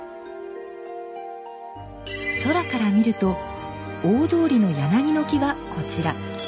空から見ると大通りの柳の木はこちら。